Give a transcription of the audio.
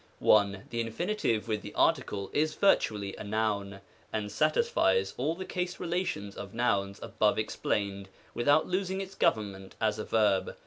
1. The Infin. with the article is virtually a noun, and satisfies all the case relations of nouns above ex plained, without losing its government as a verb.